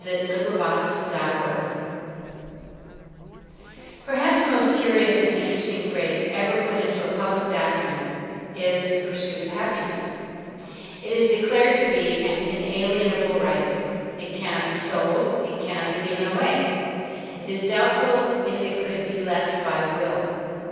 THE PURSUIT OF HAPPINESS Perhaps the most curious and interesting phrase ever put into a public document is "the pursuit of happiness." It is declared to be an inalienable right. It cannot be sold. It cannot be given away. It is doubtful if it could be left by will.